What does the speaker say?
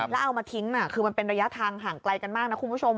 แล้วเอามาทิ้งคือมันเป็นระยะทางห่างไกลกันมากนะคุณผู้ชม